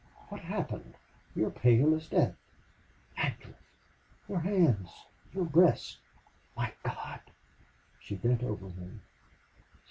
"What's happened? You're pale as death!... Ancliffe! Your hands your breast!... My God!" She bent over him.